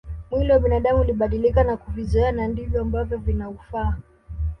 Mwili wa binadamu ulibadilika na kuvizoea na ndivyo ambavyo vinaufaa